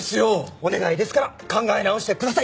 お願いですから考え直してください！